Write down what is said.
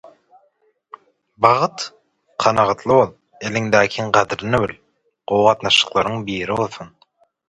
Bagt? Kanagatly bol, eliňdäkiň gadryny bil, gowy gatnaşyklaryň bolsun…